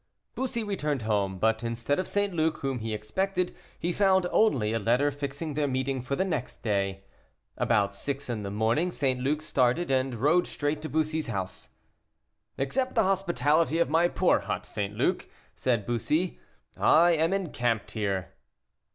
Bussy returned home, but instead of St. Luc, whom he expected, he found only a letter fixing their meeting for the next day. About six in the morning St. Luc started, and rode straight to Bussy's house. "Accept the hospitality of my poor hut, St. Luc," said Bussy, "I am encamped here."